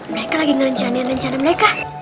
mereka lagi ngerjani rencana mereka